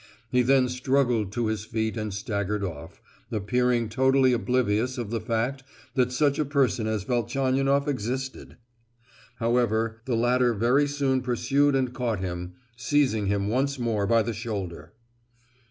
He then struggled to his feet and staggered off, appearing totally oblivious of the fact that such a person as Velchaninoff existed. However, the latter very soon pursued and caught him, seizing him once more by the shoulder.